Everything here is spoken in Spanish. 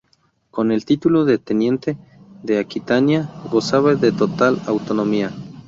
Con el título de teniente de Aquitania, gozaba de total autonomía.